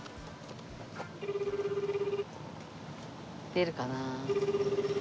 出るかな。